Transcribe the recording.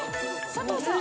佐藤さん